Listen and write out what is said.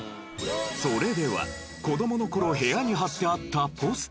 それでは子供の頃部屋に貼ってあったポスター。